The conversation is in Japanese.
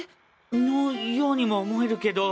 のようにも思えるけど。